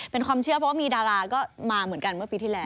เป็นความเชื่อเพราะว่ามีดาราก็มาเหมือนกันเมื่อปีที่แล้ว